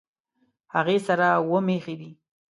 هغې سره اووه مېښې دي